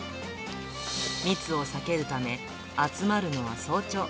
密を避けるため、集まるのは早朝。